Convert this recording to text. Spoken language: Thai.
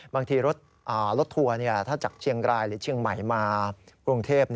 บางทีรถทัวร์ถ้าจากเชียงรายหรือเชียงใหม่มากรุงเทพ